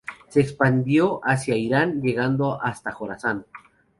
Se expandió hacia Irán llegando hasta Jorasán.